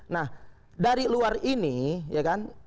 nah dari luar ini ya kan